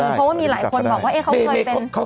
เพราะว่ามีหลายคนบอกว่าเขาเคยเป็น